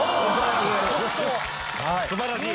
素晴らしい！